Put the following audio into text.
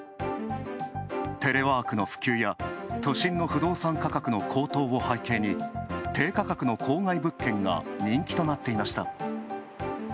テレワークの普及や、都心の不動産価格の高騰を背景に、低価格の郊外物件が人気となっていました。